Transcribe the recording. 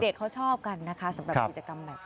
เขาชอบกันนะคะสำหรับกิจกรรมแบบนี้